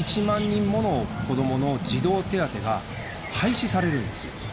人もの子どもの児童手当が廃止されるんです。